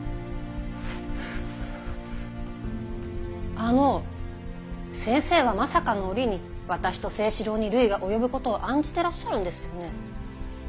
あの先生はまさかの折に私と青史郎に累が及ぶことを案じてらっしゃるんですよね。